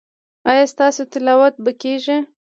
ایا ستاسو تلاوت به کیږي؟